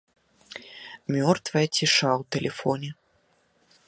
Мёртвая ціша ў тэлефоне.